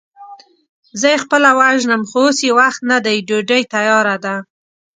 زه يې خپله وژنم، خو اوس يې وخت نه دی، ډوډۍ تياره ده.